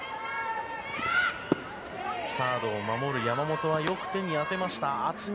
サードを守る山本はよく手に当てました。